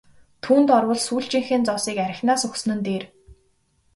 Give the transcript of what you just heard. Түүнд орвол сүүлчийнхээ зоосыг архинаас өгсөн нь дээр!